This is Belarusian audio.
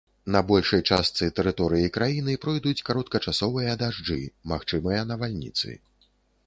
На большай частцы тэрыторыі краіны пройдуць кароткачасовыя дажджы, магчымыя навальніцы.